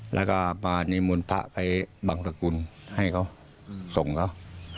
แล้วก็มานิมนต์พระไปบังสกุลให้เขาส่งเขา